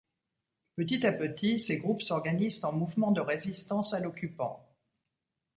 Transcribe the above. Petit à petit, ces groupes s'organisent en mouvements de résistance à l'occupant.